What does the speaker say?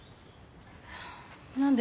何で？